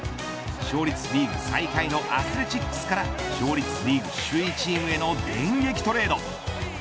勝率リーグ最下位のアスレチックスから勝率リーグ首位チームへの電撃トレード。